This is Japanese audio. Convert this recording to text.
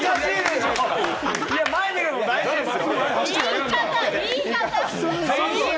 前見るのも大事ですよ！